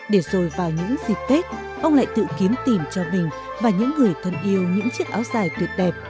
để rồi vào những dịp tết ông lại tự kiếm tìm cho mình và những người thân yêu những chiếc áo dài tuyệt đẹp